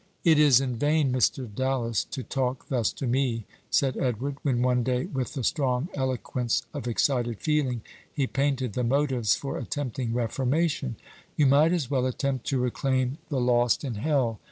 "It is in vain, Mr. Dallas, to talk thus to me," said Edward, when, one day, with the strong eloquence of excited feeling, he painted the motives for attempting reformation; "you might as well attempt to reclaim the lost in hell.